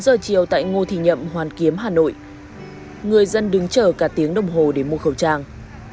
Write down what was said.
sáu giờ chiều tại ngô thị nhậm hoàn kiếm hà nội người dân đứng chờ cả tiếng đồng hồ để mua khẩu trang